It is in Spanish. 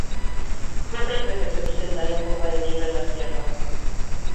Pocas veces se presentan en forma de nieve en la sierra.